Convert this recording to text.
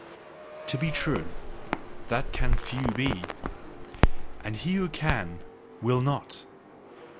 To be true that CAN few be! And he who can, will not!